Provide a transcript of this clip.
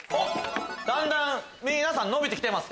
だんだん皆さん伸びてきてます。